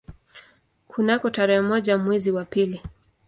Kunako tarehe moja mwezi wa pili